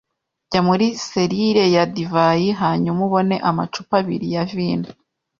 Jya muri selire ya divayi hanyuma ubone amacupa abiri ya vino.